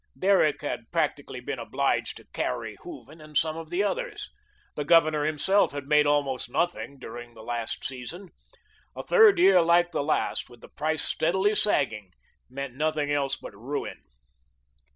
Derrick had practically been obliged to "carry" Hooven and some of the others. The Governor himself had made almost nothing during the last season; a third year like the last, with the price steadily sagging, meant nothing else but ruin.